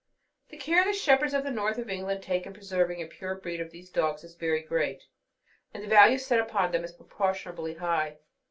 The care the shepherds of the north of England take in preserving a pure breed of these dogs is very great, and the value set upon them is proportionably high.